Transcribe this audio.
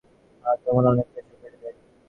আর তখন অনেক প্রেসার বেড়ে যায়।